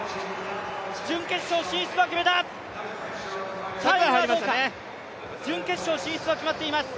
準決勝進出は決めた、タイムはどうか、準決勝進出は決まっています。